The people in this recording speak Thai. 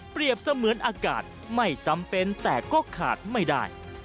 เสมือนอากาศไม่จำเป็นแต่ก็ขาดไม่ได้